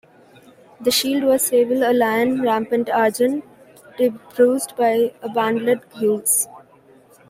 The shield was Sable a lion rampant Argent, debruised by a bendlet Gules.